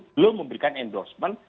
belum memberikan endorsement